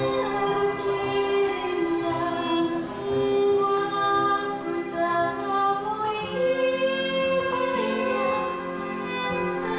akan aku beri kesempatan sekali untuk kau menggandalkamu